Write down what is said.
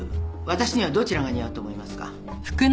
私にはどちらが似合うと思いますか？